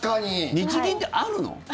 日銀ってあるの？